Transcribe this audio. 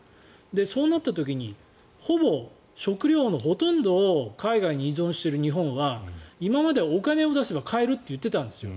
そうなった時にほぼ、食料のほとんどを海外に依存している日本は今まで、お金を出せば買えるって言ったんですよ